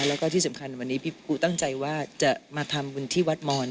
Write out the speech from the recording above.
แล้วก็ที่สำคัญวันนี้พี่ปูตั้งใจว่าจะมาทำบุญที่วัดมอน